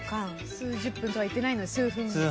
数十分とは言ってないので数分間。